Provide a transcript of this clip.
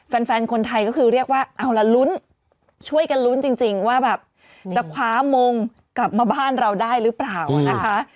แฟนคนไทยก็คือเรียกว่าเอาละลุ้นช่วยกันลุ้นจริงว่าแบบจะคว้ามงกลับมาบ้านเราได้หรือเปล่านะคะ